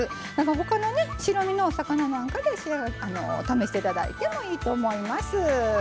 他のね白身のお魚なんかで試して頂いてもいいと思います。